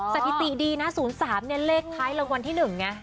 สถิติดีนะ๐๓เนี่ยเลขท้ายรางวัลที่๑ไง